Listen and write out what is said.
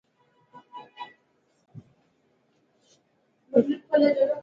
فنګسونه له وړو وحیدالحجروي موجوداتو څخه عبارت دي.